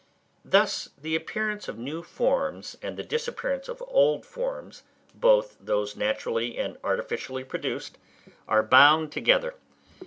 Thus the appearance of new forms and the disappearance of old forms, both those naturally and artificially produced, are bound together.